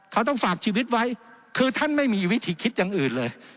เขาต้องฝากชีวิตไว้คือท่านไม่มีวิธีคิดอย่างอื่นเลย